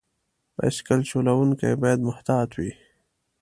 بایسکل چلونکي باید محتاط وي.